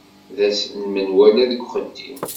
D ass n menwala deg uxeddim.